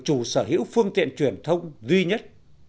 chủ sở hữu phương tiện truyền thông duy nhất